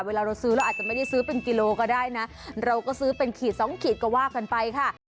เวลาเราซื้อเราอาจจะไม่ได้ซื้อเป็นกิโลก็ได้นะเราก็ซื้อเป็นขีดสองขีดก็ว่ากันไปค่ะ